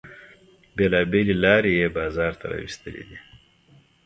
بیلابیلې لارې یې بازار ته را ویستلې دي.